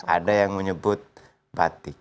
ada yang menyebut batik